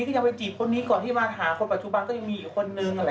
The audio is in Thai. การเปลี่ยน